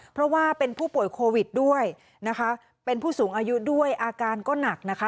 เพราะว่าเป็นผู้ป่วยโควิดด้วยนะคะเป็นผู้สูงอายุด้วยอาการก็หนักนะคะ